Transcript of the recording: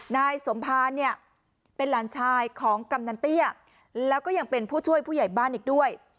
นายสมภารเนี่ยเป็นหลานชายของกำนันเตี้ยแล้วก็ยังเป็นผู้ช่วยผู้ใหญ่บ้านอีกด้วย